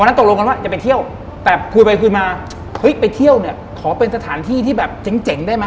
นั้นตกลงกันว่าจะไปเที่ยวแต่คุยไปคุยมาเฮ้ยไปเที่ยวเนี่ยขอเป็นสถานที่ที่แบบเจ๋งได้ไหม